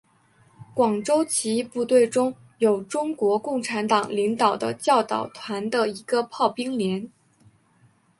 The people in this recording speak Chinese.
广州起义部队中有中国共产党领导的教导团的一个炮兵连。